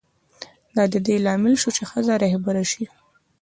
دا د دې لامل شو چې ښځه رهبره شي.